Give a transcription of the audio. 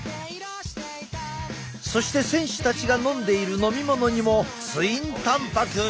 そして選手たちが飲んでいる飲み物にもツインたんぱく！